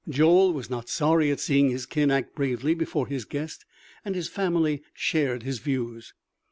Joel was not sorry at seeing his kin act bravely before his guest; and his family shared his views.